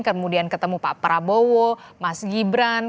kemudian ketemu pak prabowo mas gibran